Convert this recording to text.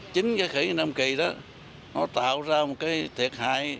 chính cái khởi nghĩa nam kỳ đó nó tạo ra một cái thiệt hại